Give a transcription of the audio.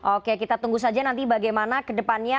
oke kita tunggu saja nanti bagaimana ke depannya